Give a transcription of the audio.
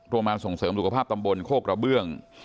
โรงงานส่งเสริมสุขภาพตำบลโคกระเบื้อง